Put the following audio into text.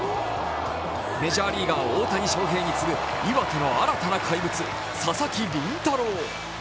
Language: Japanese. メジャーリーガー大谷翔平に次ぐ岩手の新たな怪物、佐々木麟太郎。